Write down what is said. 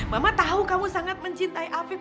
mama tahu kamu sangat mencintai afib